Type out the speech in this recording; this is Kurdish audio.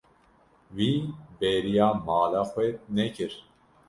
Wî bêriya mala xwe nekir.